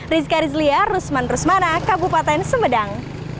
rizka rizlia rusman rusmana kabupaten sumedang